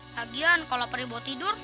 lagian kalau peribu tidur